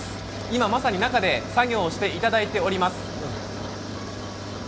今まさに中で作業をしていただいております。